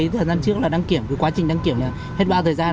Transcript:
thời gian trước là đăng kiểm quá trình đăng kiểm là hết bao thời gian